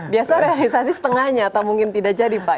biasa realisasi setengahnya atau mungkin tidak jadi pak